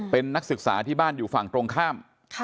เป็นนักศึกษาที่บ้านอยู่ฝั่งตรงข้าม